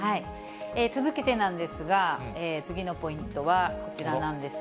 続けてなんですが、次のポイントはこちらなんですよ。